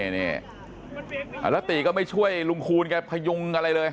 แล้วตีก็ไม่ช่วยลุงคูณแกพยุงอะไรเลย